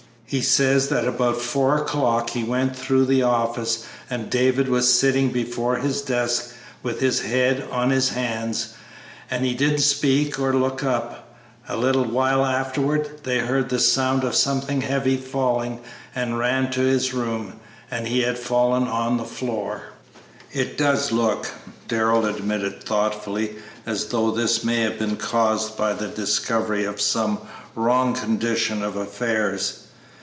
He says that about four o'clock he went through the office, and David was sitting before his desk with his head on his hands, and he didn't speak or look up. A little while afterwards they heard the sound of something heavy falling and ran to his room, and he had fallen on the floor." "It does look," Darrell admitted, thoughtfully, "as though this may have been caused by the discovery of some wrong condition of affairs."